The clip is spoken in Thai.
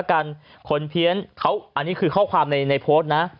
อันนี้คือข้อความในโปรดนะ